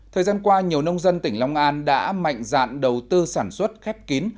thời gian qua nhiều nông dân tỉnh long an đã mạnh dạn đầu tư sản xuất khép kín